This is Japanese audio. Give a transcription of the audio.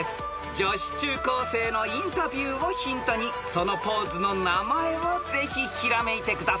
［女子中高生のインタビューをヒントにそのポーズの名前をぜひひらめいてください］